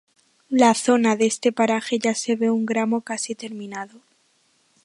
La zona de este paraje ya se ve un gran tramo casi terminado.